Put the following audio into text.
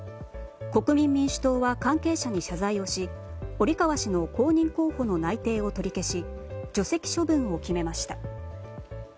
国民民主党は関係者に謝罪をし折川氏の公認候補の内定を取り消し除籍処分を決めました。